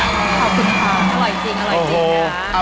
ขอบคุณครับอร่อยจริงค่ะ